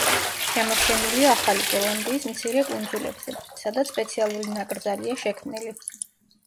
შემორჩენილია ახალი ზელანდიის მცირე კუნძულებზე, სადაც სპეციალური ნაკრძალია შექმნილი.